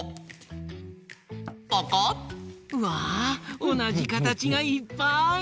うわおなじかたちがいっぱい！